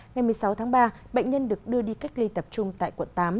ngày một mươi sáu tháng ba bệnh nhân được đưa đi cách ly tập trung tại quận tám